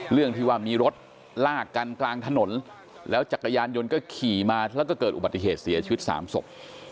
เรื่องที่ว่ามีรถลากกันกลางถนนแล้วจักรยานยนต์ก็ขี่มาแล้วก็เกิดอุบัติเหตุเสียชีวิตสามศพ